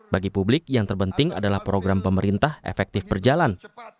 bagi publik yang terpenting adalah program pemerintah efektif berjalan